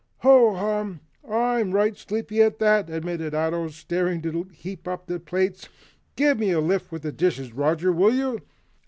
"Ho hum! I'm right sleepy at that," admitted Ato, starting to heap up plates. "Give me a lift with the dishes, Roger, will you?"